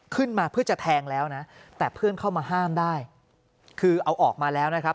ขึ้นมาเพื่อจะแทงแล้วนะแต่เพื่อนเข้ามาห้ามได้คือเอาออกมาแล้วนะครับ